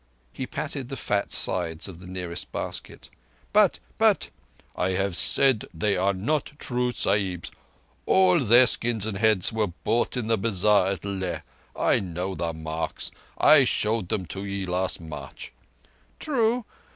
He patted the fat sides of the nearest basket. "But—but—" "I have said they are not true Sahibs. All their skins and heads were bought in the bazar at Leh. I know the marks. I showed them to ye last march." "True.